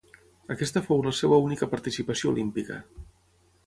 Aquesta fou la seva única participació olímpica.